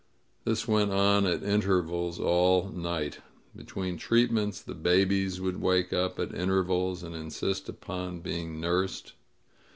This went on at intervals all night. Between treatments the babies would wake up at intervals and insist upon being nursed.